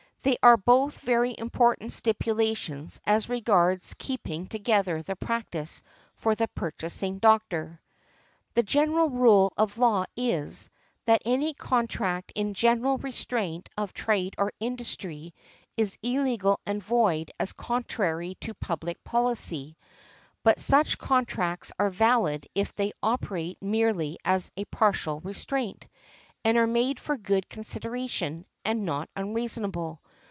They are both very important stipulations as regards keeping together the practice for the purchasing doctor" . The general rule of law is, that any contract in general restraint of trade or industry is illegal and void as contrary to public policy; but such contracts are valid if they operate merely as a partial restraint, and are made for good consideration, and not unreasonable.